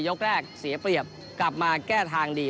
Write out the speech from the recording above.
ยกแรกเสียเปรียบกลับมาแก้ทางดี